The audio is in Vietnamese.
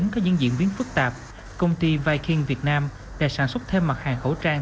có những diễn biến phức tạp công ty viking việt nam đã sản xuất thêm mặt hàng khẩu trang